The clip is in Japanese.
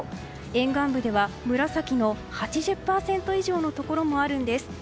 沿岸部では紫の８０％以上のところもあるんです。